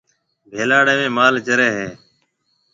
ڀيلاڙيَ ۾ مال چريَ هيَ۔